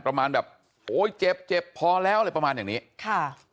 ประมาณแบบโอ้ยเจ็บเจ็บพอแล้วอะไรประมาณอย่างนี้ค่ะ